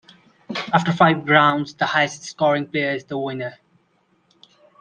After five rounds, the highest-scoring player is the winner.